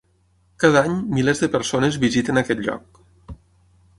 Cada any milers de persones visiten aquest lloc.